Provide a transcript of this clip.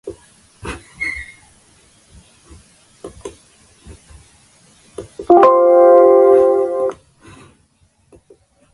Ne bom te prizadel.